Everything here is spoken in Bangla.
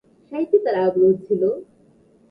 সাহিত্যে তাঁর আগ্রহ ছিল।